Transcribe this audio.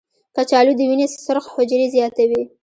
کچالو د وینې سرخ حجرې زیاتوي.